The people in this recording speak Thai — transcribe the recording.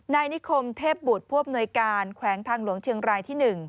นายนิคมเทพบุตรผู้อำนวยการแขวงทางหลวงเชียงรายที่๑